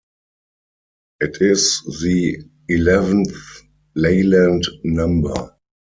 It is the eleventh Leyland number.